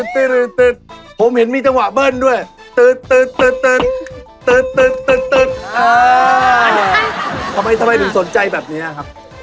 พร้อมแล้วพบกับปริศนามาหาสนุกไม้เลข๒เลยครับ